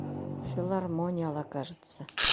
Филармонияла, кажется.